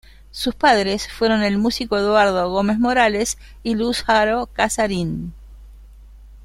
Sus padres fueron el músico Eduardo Gómez Morales y Luz Haro Casarín.